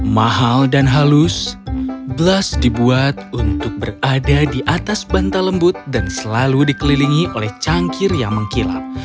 mahal dan halus blas dibuat untuk berada di atas bantal lembut dan selalu dikelilingi oleh cangkir yang mengkilap